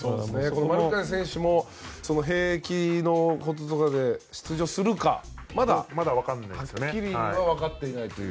マルカネン選手は兵役のこととかで出場するかははっきりとは分かっていないという。